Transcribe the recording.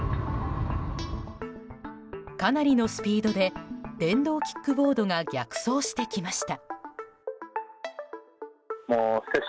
かなりのスピードで電動キックボードが逆走してきました。